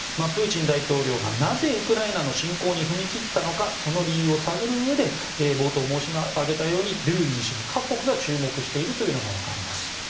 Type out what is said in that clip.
プーチン大統領がなぜウクライナの侵攻に踏み切ったのかその理由を探るうえで冒頭に申し上げたようにドゥーギン氏に各国が注目しているというのがわかります。